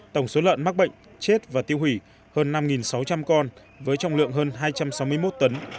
tổng số lợn mắc bệnh chết và tiêu hủy hơn năm sáu trăm linh con với trọng lượng hơn hai trăm sáu mươi một tấn